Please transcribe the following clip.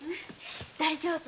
大丈夫。